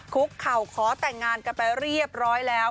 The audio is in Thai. คุกเข่าขอแต่งงานกันไปเรียบร้อยแล้ว